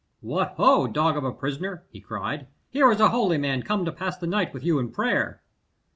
"What ho! dog of a prisoner," he cried, "here is a holy man come to pass the night with you in prayer."